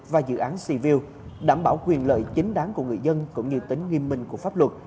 và dự án siview đảm bảo quyền lợi chính đáng của người dân cũng như tính nghiêm minh của pháp luật